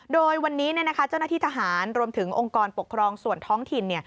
โดยวันนี้เจ้าหน้าที่ทหารรวมถึงองค์กรปกครองส่วนท้องถิ่น